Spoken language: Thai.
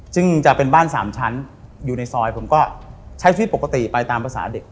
ซึ่งจะเป็นบ้าน๓ชั้นอยู่ในซอยผมก็ใช้ชีวิตปกติไปตามภาษาเด็ก